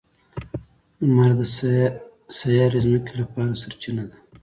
• لمر د سیارې ځمکې لپاره سرچینه ده.